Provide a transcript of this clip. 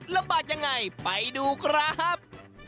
ลำบากยังไงไปดูครับ